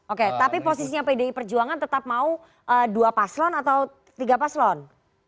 oke tapi posisinya pdi perjuangan tetap mau dua paslon atau tiga paslon